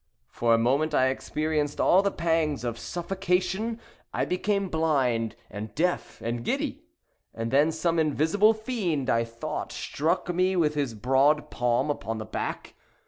For a moment I experienced all the pangs of suffocation; I became blind, and deaf, and giddy; and then some invisible fiend, I thought, struck me with his broad palm upon the back.